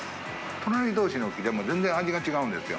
隣どうしの木でも味が違うんですよ。